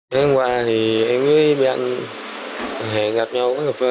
hôm qua thì em với bi anh hẹn gặp nhau ở cà phê